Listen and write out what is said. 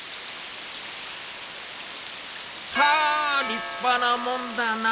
ハア立派なもんだな。